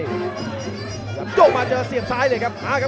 พยายามโจ้งมาเจอเสียงซ้ายเลยครับหาครับ